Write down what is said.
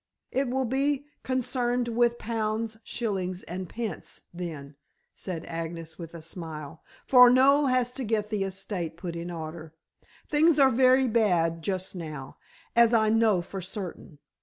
"It will be concerned with pounds, shillings, and pence, then," said Agnes with a smile, "for Noel has to get the estate put in order. Things are very bad just now, as I know for certain.